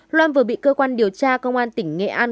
loan vừa bị cơ quan điều tra công an tỉnh nghệ an